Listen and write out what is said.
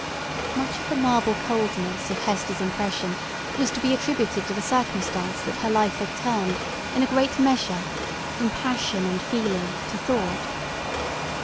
Much of the marble coldness of Hester's impression was to be attributed to the circumstance that her life had turned, in a great measure, from passion and feeling to thought.